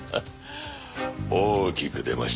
大きく出ましたな。